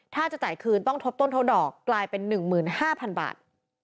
ถ้าจะจ่ายคืนต้องทบต้นทบดอกกลายเป็น๑๕๐๐๐บาท